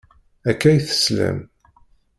Akka i teslam.